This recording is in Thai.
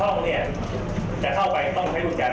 เหลือในห้องจะเข้าไปต้องให้ดุจแจเปิด